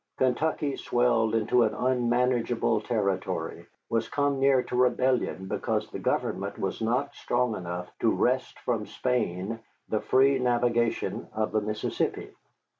Kentucky, swelled into an unmanageable territory, was come near to rebellion because the government was not strong enough to wrest from Spain the free navigation of the Mississippi.